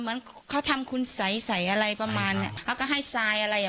เหมือนเขาทำคุณสัยใสอะไรประมาณเนี้ยเขาก็ให้ทรายอะไรอ่ะ